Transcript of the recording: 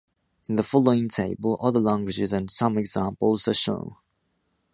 In the following table, other languages and some examples are shown.